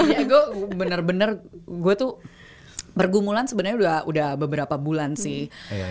tapi gue bener bener gue tuh pergumulan sebenarnya udah beberapa bulan sih